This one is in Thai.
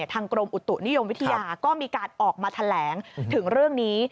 กรมอุตุนิยมวิทยาก็มีการออกมาแถลงถึงเรื่องนี้